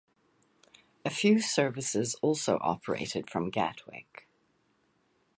A few services also operated from Gatwick.